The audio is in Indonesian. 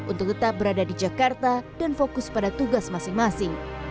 untuk tetap berada di jakarta dan fokus pada tugas masing masing